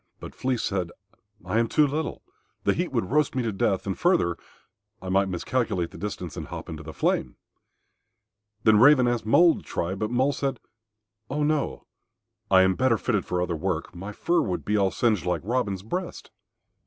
But Flea said, "I am too little. The heat would roast me to death; and, further, I might miscalculate the distance and hop into the flame." Then Raven asked Mole to try, but Mole said, "Oh no, I am better fitted for other work. My fur would all be singed like Robin's breast."